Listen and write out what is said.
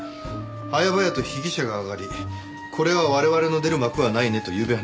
早々と被疑者が挙がりこれは我々の出る幕はないねとゆうべ話したところなんです。